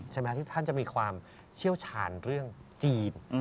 ใช่ไหมครับท่านจะมีความเชี่ยวชาญเรื่องจีน